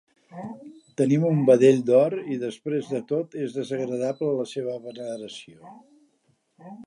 Tenim un vedell d'or i després de tot és desagradable la seva veneració.